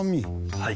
はい。